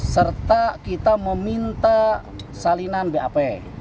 serta kita meminta salinan bap